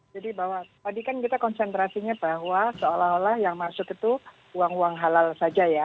jadi bahwa tadi kan kita konsentrasinya bahwa seolah olah yang masuk itu uang uang halal saja ya